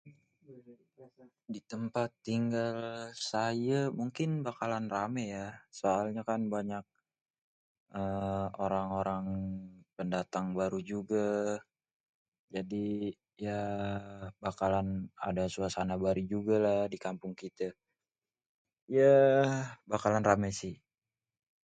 ditempat tinggal sayê mungkin bakalan ramê ya soalnyêkan banyak êê orang-orang pendatang baru juga jadi ya bakalah ada suasana baru jugalah dikampung kitê yêêê bakalah ramé si.